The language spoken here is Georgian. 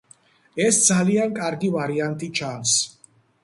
ეს ძალიან კარგი ვარიანტი ჩანს.